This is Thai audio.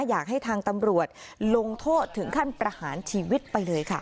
อยากให้ทางตำรวจลงโทษถึงขั้นประหารชีวิตไปเลยค่ะ